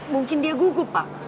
mungkin dia gugup pak